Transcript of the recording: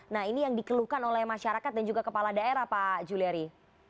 nah ini yang dikeluhkan oleh masyarakat dan juga kepala daerah pak juliari